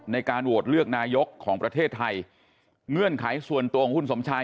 ในการโหวตเลือกนายกของประเทศไทยเงื่อนไขส่วนตัวของคุณสมชาย